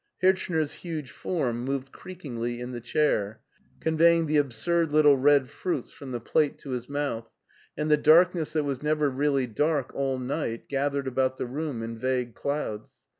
Hirchner's huge form moved creakingly in the chair, conveying the absurd little red fruits from the plate to his mouth, and the darkness that was never really dark all night gathered about the room in vague clouds.